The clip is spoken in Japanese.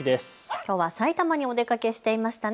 きょうは埼玉にお出かけしていましたね。